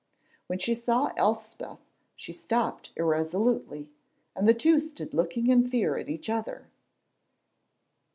When she saw Elspeth she stopped irresolutely, and the two stood looking in fear at each other.